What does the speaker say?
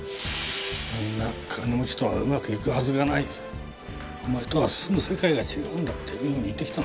あんな金持ちとはうまくいくはずがないお前とは住む世界が違うんだって美穂に言っていたんです。